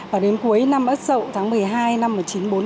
và đến cuối năm ất dậu tháng một mươi hai năm một nghìn chín trăm bốn mươi năm